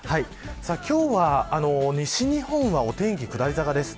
今日は西日本はお天気が下り坂です。